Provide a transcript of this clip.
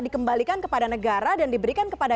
dikembalikan kepada negara dan diberikan kepada